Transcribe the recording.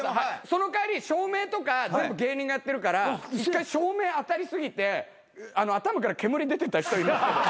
その代わり照明とか全部芸人がやってるから一回照明当たり過ぎて頭から煙出てた人いるんすけど。